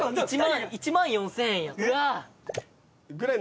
１万４，０００円や。